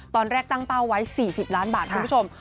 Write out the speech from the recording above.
ตอนแรกตั้งเป้าไว้๔๐ล้านบาทคุณผู้ชม